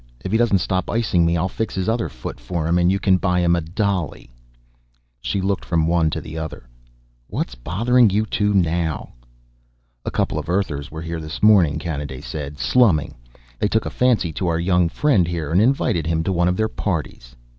If he doesn't stop icing me I'll fix his other foot for him and you can buy him a dolly." She looked from one to the other. "What's bothering you two now?" "A couple of Earthers were here this morning," Kanaday said. "Slumming. They took a fancy to our young friend here and invited him to one of their parties.